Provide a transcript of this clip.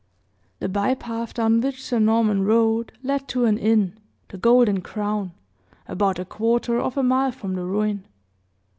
The by path down which Sir Norman rode, led to an inn, "The Golden Crown," about a quarter of a mile from the ruin.